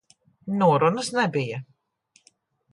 Norunas nebija.